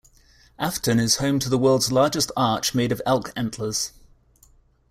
Afton is home to the world's largest arch made of elk antlers.